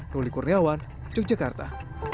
roli kurniawan yogyakarta